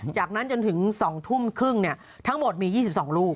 จากนั้นจนถึง๘๓๐นทั้งหมดมี๒๒ลูก